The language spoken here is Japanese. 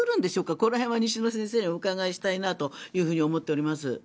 この辺は西野先生にお伺いしたいなと思っております。